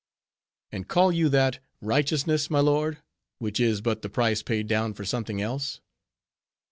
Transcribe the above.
"And call you that righteousness, my lord, which is but the price paid down for something else?"